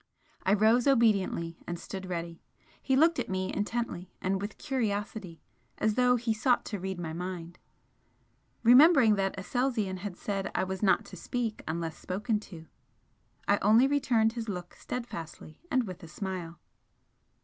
I rose obediently, and stood ready. He looked at me intently and with curiosity, as though he sought to read my mind. Remembering that Aselzion had said I was not to speak unless spoken to, I only returned his look steadfastly, and with a smile.